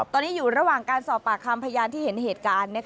ตอนนี้อยู่ระหว่างการสอบปากคำพยานที่เห็นเหตุการณ์